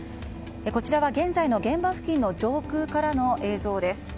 こちらは、現在の現場付近の上空からの映像です。